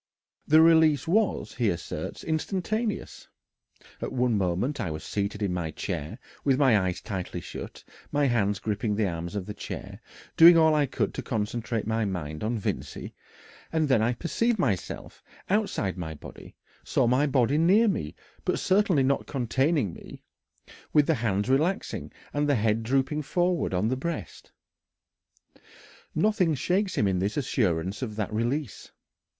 The release was, he asserts, instantaneous. "At one moment I was seated in my chair, with my eyes tightly shut, my hands gripping the arms of the chair, doing all I could to concentrate my mind on Vincey, and then I perceived myself outside my body saw my body near me, but certainly not containing me, with the hands relaxing and the head drooping forward on the breast." Nothing shakes him in his assurance of that release.